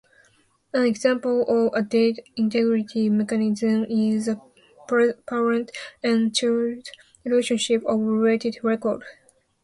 An example of a data-integrity mechanism is the parent-and-child relationship of related records.